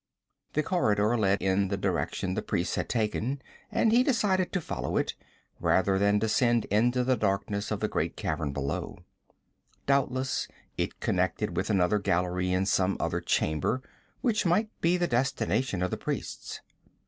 The corridor led in the direction the priests had taken, and he decided to follow it, rather than descend into the darkness of the great cavern below. Doubtless it connected with another gallery in some other chamber, which might be the destination of the priests.